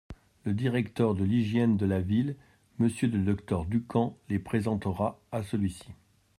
Le Directeur de l'hygiène de la Ville, Monsieur le docteur Ducamp les présentera à celui-ci.